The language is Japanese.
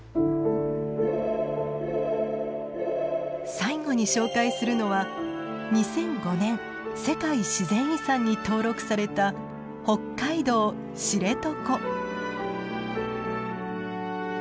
最後に紹介するのは２００５年世界自然遺産に登録された北海道知床。